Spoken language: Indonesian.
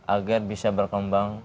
agar bisa berkembang